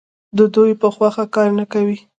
د دوی په خوښه کار نه کوي.